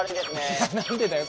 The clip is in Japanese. いやなんでだよ。